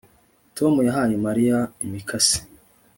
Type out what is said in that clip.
Tom yahaye Mariya imikasi